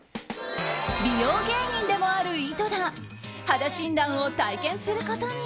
美容芸人でもある井戸田肌診断を体験することに。